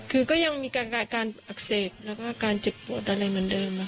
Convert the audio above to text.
คือก็ยังมีอาการอักเสบแล้วก็อาการเจ็บปวดอะไรเหมือนเดิม